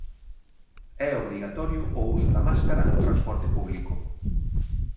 É obrigatorio o uso da máscara no transporte público.